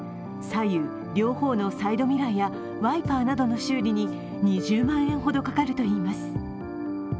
左右両方のサイドミラーやワイパーなどの修理に２０万円ほどかかるといいます。